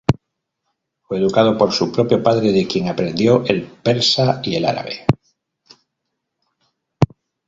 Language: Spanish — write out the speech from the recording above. Fue educado por su propio padre de quien aprendió el persa y el árabe.